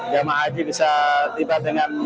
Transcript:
jemaah haji bisa tiba dengan